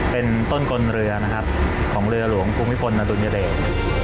เป็นต้นกลลเรือของเรือหลวงภูมิพลณตูนเยษ